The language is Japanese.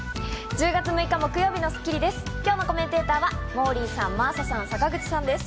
１０月６日、木曜日の『スッキリ』です。